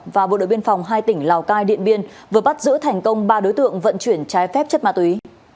và bộ đội biên phòng hai tỉnh lào cai điện biên vừa bắt giữ thành công ba đối tượng vận chuyển trái phép chất ma túy